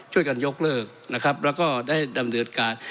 ช่วยกันยกเลิกนะครับและก็ได้ดำเนินการ